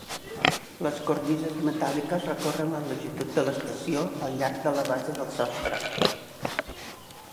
Les cornises metàl·liques recorren la longitud de l'estació al llarg de la base del sostre.